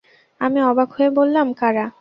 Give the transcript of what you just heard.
আমি অবাক হয়ে বললাম, কারা?